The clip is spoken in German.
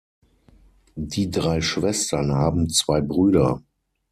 Die drei Schwestern haben zwei Brüder.